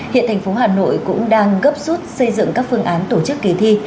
hiện thành phố hà nội cũng đang gấp rút xây dựng các phương án tổ chức kỳ thi